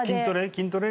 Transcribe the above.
筋トレ？